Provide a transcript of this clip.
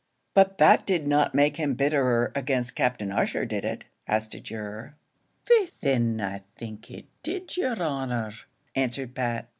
"But that did not make him bitterer against Captain Ussher, did it?" asked a juror. "Faix thin, I think it did, yer honour," answered Pat.